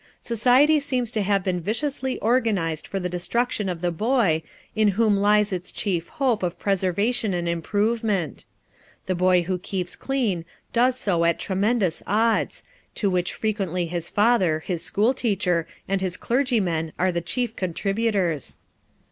Society seems to have been viciously organized for the destruction of the boy, in whom lies its chief hope of preservation and improvement. The boy who keeps clean does so against tremendous odds, to which frequently his father, his school teacher, and his clergyman are the chief contributors.